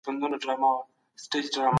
سیاستوال د نویو تړونونو په متن کي څه شاملوي؟